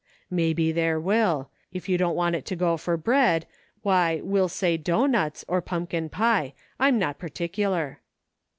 Maybe there will. If you don't want it to go for bread, why, we'll say doughnuts, or pumpkin pie; I'm not particular."